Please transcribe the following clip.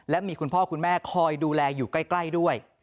และมีคุณพ่อคุณแม่คอยดูแลอยู่ใกล้ด้วย